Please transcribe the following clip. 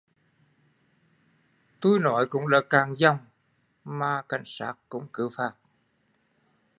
Tui nói cũng đã cạn dòng mà cảnh sát cũng cứ phạt